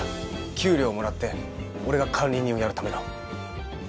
給料をもらって俺が管理人をやるための。